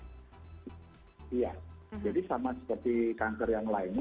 iya jadi sama seperti kanker yang lainnya